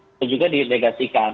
itu juga dinegasikan